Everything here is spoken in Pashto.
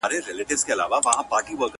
د پردي کلي د غلۀ کانه ور وسوه ,